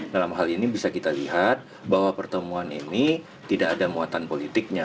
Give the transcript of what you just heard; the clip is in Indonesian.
dalam hal ini bisa kita lihat bahwa pertemuan ini tidak ada muatan politiknya